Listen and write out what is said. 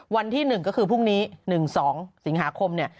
วันที่๑ก็คือพรุ่งนี้๑๒สิงหาคมเนี่ย